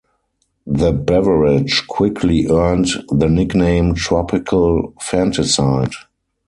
The beverage quickly earned the nickname Tropical Fanticide.